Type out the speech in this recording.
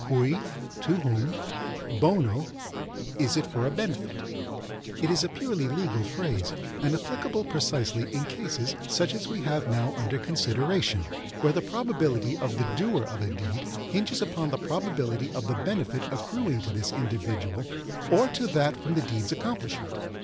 Cui, to whom; bono, is it for a benefit. It is a purely legal phrase, and applicable precisely in cases such as we have now under consideration, where the probability of the doer of a deed hinges upon the probability of the benefit accruing to this individual or to that from the deed's accomplishment.